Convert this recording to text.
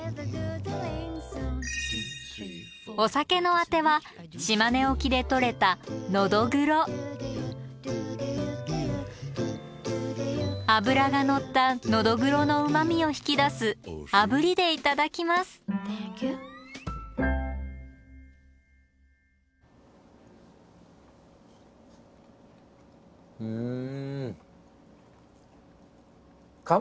お酒のあては島根沖で取れたのどぐろ脂がのったのどぐろのうまみを引き出すあぶりで頂きますうん。うん。